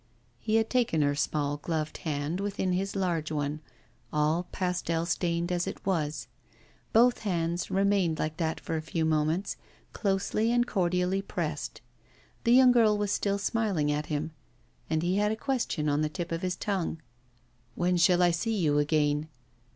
He had taken her small gloved hand within his large one, all pastel stained as it was. Both hands remained like that for a few moments, closely and cordially pressed. The young girl was still smiling at him, and he had a question on the tip of his tongue: 'When shall I see you again?